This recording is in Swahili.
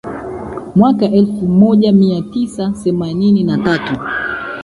mwaka elfu moja mia tisa themanini na tatu